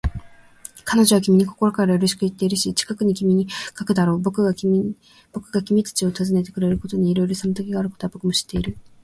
彼女は君に心からよろしくといっているし、近く君に手紙を書くだろう。君がぼくたちを訪ねてくれることにいろいろ妨げがあることは、ぼくも知っている。